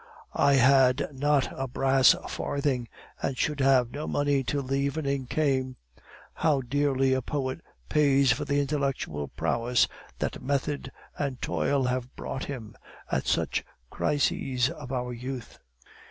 "I had not a brass farthing, and should have no money till the evening came. How dearly a poet pays for the intellectual prowess that method and toil have brought him, at such crises of our youth!